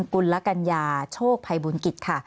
กุลกัญญาโชคภัยบุญกิจค่ะ